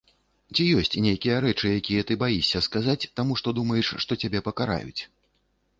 Ці ёсць нейкія рэчы, якія ты баішся сказаць, таму што думаеш, што цябе пакараюць?